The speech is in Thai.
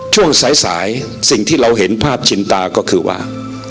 ช่วงสายสายสิ่งที่เราเห็นภาพชินตาก็คือว่า